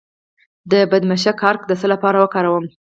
د بیدمشک عرق د څه لپاره وکاروم؟